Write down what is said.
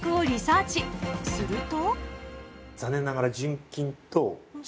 すると